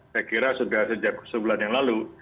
saya kira sudah sejak sebulan yang lalu